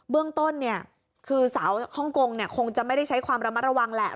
เรื่องต้นเนี่ยคือสาวฮ่องกงคงจะไม่ได้ใช้ความระมัดระวังแหละ